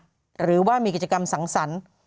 หรือว่ามีกิจกรรมสังสรรค์